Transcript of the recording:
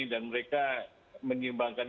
dan mereka menyeimbangkan